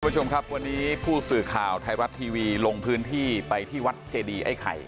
คุณผู้ชมครับวันนี้ผู้สื่อข่าวไทยรัฐทีวีลงพื้นที่ไปที่วัดเจดีไอ้ไข่